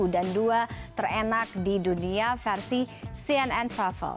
dan dua terenak di dunia versi cnn travel